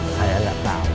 saya udah tau